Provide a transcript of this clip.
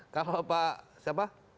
kalau pak siapa